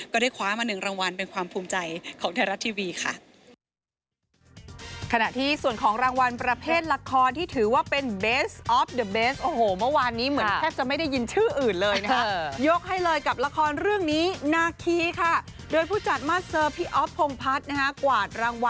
ก็ได้คว้ามา๑รางวัลเป็นความภูมิใจของไทยรัฐทีวีค่ะ